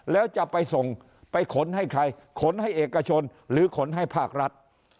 แล้วจะไปส่งไปขนให้ใครขนให้เอกชนหรือขนให้ภาครัฐ